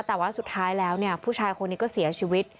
แต่ว่าสุดท้ายแล้วเนี่ยผู้ชายคนนี้ก็เสียชีวิต